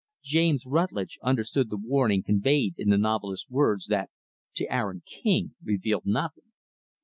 James Rutlidge understood the warning conveyed in the novelist's words that, to Aaron King, revealed nothing.